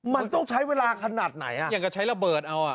มันต้องใช้เวลาขนาดไหนอย่างกับใช้ระเบิดเอา